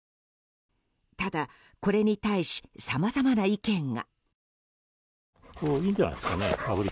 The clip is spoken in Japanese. ただ、これに対しさまざまな意見が。